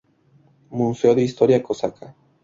Museo de historia cosaca.